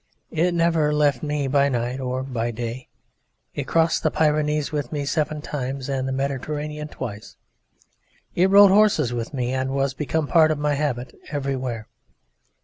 It never left me by night or by day; it crossed the Pyrenees with me seven times and the Mediterranean twice. It rode horses with me and was become a part of my habit everywhere.